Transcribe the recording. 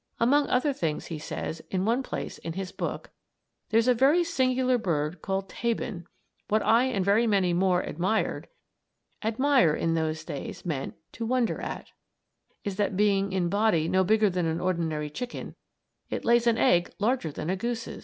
Among other things he says, in one place in his book: "There is a very singular bird called Tabon. What I and very many more admired is that being in body no bigger than an ordinary chicken, it lays an egg larger than a goose's."